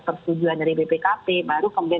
persetujuan dari bpkp baru kemudian